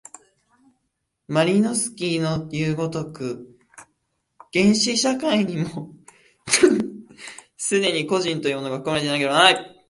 マリノースキイのいう如く、原始社会にも既に個人というものが含まれていなければならない。